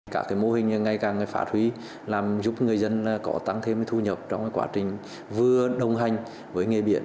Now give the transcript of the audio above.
các mô hình ngày càng phát huy làm giúp người dân có tăng thêm thu nhập trong quá trình vừa đồng hành với nghề biển